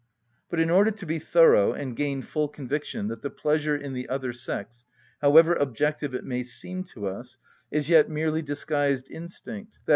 But in order to be thorough and gain full conviction that the pleasure in the other sex, however objective it may seem to us, is yet merely disguised instinct, _i.